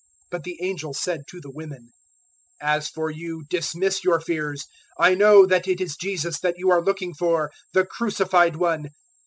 028:005 But the angel said to the women, "As for you, dismiss your fears. I know that it is Jesus that you are looking for the crucified One.